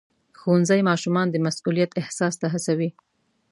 ښوونځی ماشومان د مسؤلیت احساس ته هڅوي.